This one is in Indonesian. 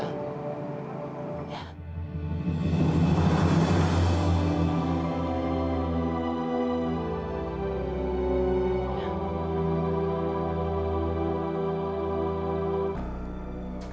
aku mau pergi